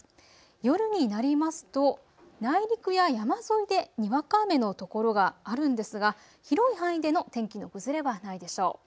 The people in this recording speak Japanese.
夜になりますと内陸や山沿いでにわか雨の所があるんですが広い範囲での天気の崩れはないでしょう。